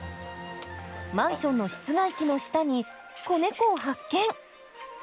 マンションの室外機の下に子猫を発見！